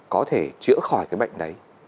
có thể chữa khỏi cái bệnh đấy